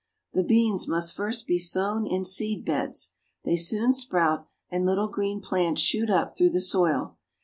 The beans must first be sown in seed beds. They soon sprout, and little green plants shoot up through the soil.